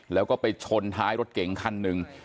แล้วก็ไปชนท้ายรถเก่งคันหนึ่ง